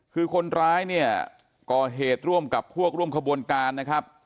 คือคนร้ายเนี่ยก่อเหตุร่วมกับพวกร่วมขบวนการนะครับ